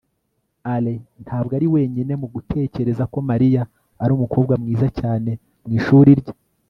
alain ntabwo ari wenyine mu gutekereza ko mariya ari umukobwa mwiza cyane mu ishuri rye